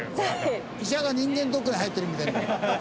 医者が人間ドックに入ってるみたいな。